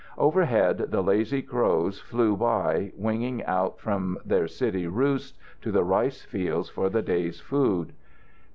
Overhead the lazy crows flew by, winging out from their city roosts to the rice fields for the day's food.